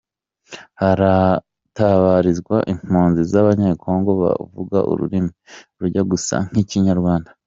Haratabarizwa impunzi z’abanyekongo bavuga ururimi rujya gusa n’ikinyarwanda.